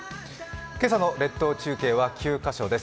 今朝の列島中継は９カ所です。